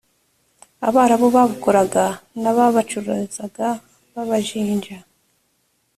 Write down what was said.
abarabu babukoraga n ababacuruzaga b abajinja